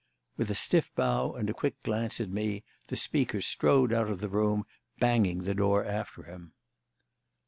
With a stiff bow and a quick glance at me, the speaker strode out of the room, banging the door after him.